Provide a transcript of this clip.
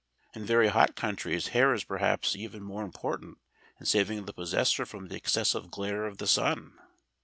In very hot countries hair is perhaps even more important in saving the possessor from the excessive glare of the sun.